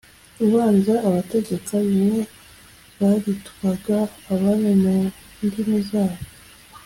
ubanza abategekaga bimwe baritwaga abami mu ndimi zabo,